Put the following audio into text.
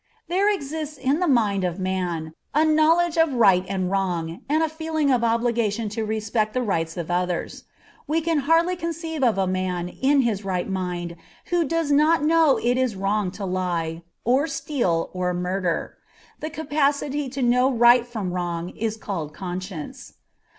_ There exists in the mind of man a knowledge of right and wrong, and a feeling of obligation to respect the rights of others. We can hardly conceive of a man in his right mind who does not know it is wrong to lie, or steal, or murder. The capacity to know right from wrong is called conscience.